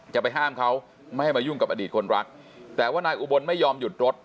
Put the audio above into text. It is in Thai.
จะไปห้ามเขาไม่ให้มายุ่งกับอดีตคนรักแต่ว่านายอุบลไม่ยอมหยุดรถ